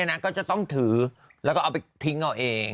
ก็จะต้องถือแล้วก็เอาไปทิ้งเอาเอง